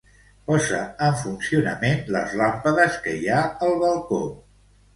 Posa en funcionament les làmpades que hi ha al balcó.